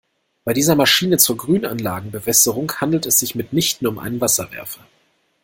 Bei dieser Maschine zur Grünanlagenbewässerung handelt es sich mitnichten um einen Wasserwerfer.